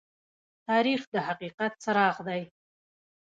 تاریخ د حقیقت څراغ دى.